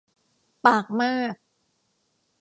ปากมาก